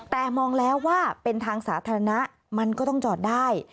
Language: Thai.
แต่มองแล้วว่าเป็นทางสาธารณะมันก็ต้องจอดได้